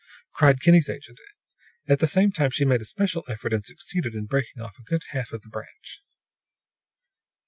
] cried Kinney's agent; at the same time she made a special effort, and succeeded in breaking off a good half of the branch.